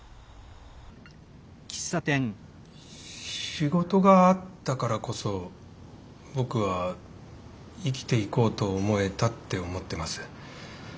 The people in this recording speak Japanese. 仕事があったからこそ僕は生きていこうと思えたって思ってます。